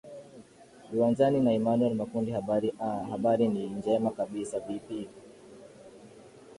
viwanjani na emanuel makundi habari aa habari ni njema kabisa vipi